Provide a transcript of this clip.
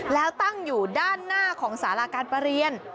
แล้วตั้งอยู่ด้านหน้าของสาราการประเรียน